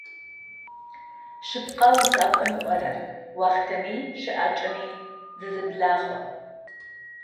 Шъыпкъэ усакӏом ыӏорэр - уахътэми щыӏакӏэми зызэблахъу.